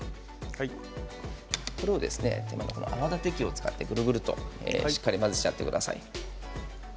これをですね、泡立て器を使ってぐるぐるとしっかり混ぜちゃってください。